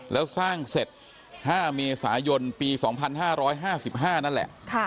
แล้วสร้างเสร็จ๕เมษายนปี๒๕๕๕นั่นแหละ